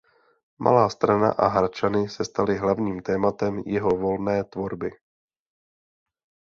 Malá Strana a Hradčany se staly hlavním tématem jeho volné tvorby.